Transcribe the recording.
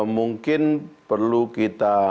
mungkin perlu kita